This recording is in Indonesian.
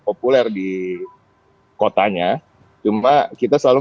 populer di kotanya cuma kita selalu